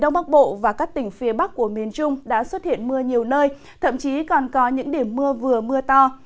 đông bắc bộ và các tỉnh phía bắc của miền trung đã xuất hiện mưa nhiều nơi thậm chí còn có những điểm mưa vừa mưa to